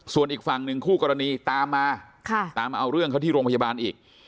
ส่วนอีกฝั่งหนึ่งคู่กรณีตามมาตามมาเอาเรื่องเขาที่โรงพยาบาลอีก